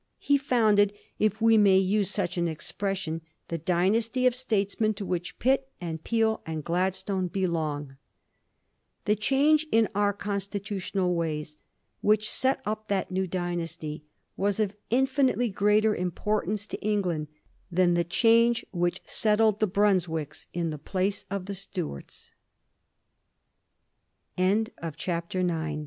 He founded, if we may use such an ex pression, the dynasty of statesmen to which Pitt, and Peel, and Gladstone belong. The change in our constitutional ways which set up that new dynasty was of infinitely greater importance to England than the change which settled the Bruns